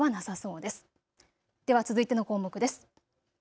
では続いての項目です。